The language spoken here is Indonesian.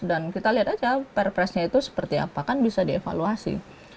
dan kita lihat aja perpresnya itu seperti apa kan bisa dievaluasi